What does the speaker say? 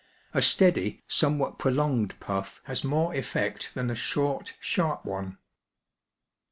A steady, somewhat prolonged puff has more effect than a short, sharp one.